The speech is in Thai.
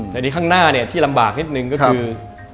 แต่นี่ข้างหน้าเนี่ยที่ลำบากนิดนึงก็คือ